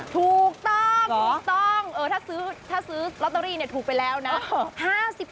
ถูกต้องถูกต้องถ้าซื้อลอตเตอรี่ถูกไปแล้วนะ